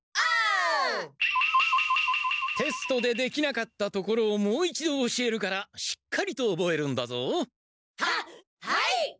テストでできなかったところをもう一度教えるからしっかりとおぼえるんだぞ。ははい！